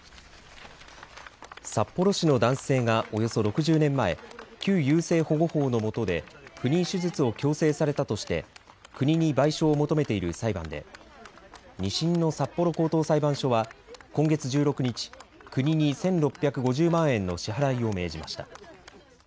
札幌市の男性がおよそ６０年前、旧優生保護法のもとで不妊手術を強制されたとして国に賠償を求めている裁判で２審の札幌高等裁判所は今月１６日、国に１６５０万円の支払いを命じました。